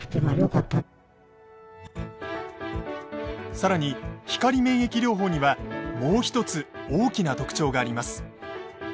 更に光免疫療法にはもう一つ大きな特徴があります。